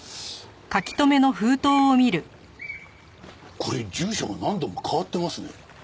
これ住所が何度も変わってますね。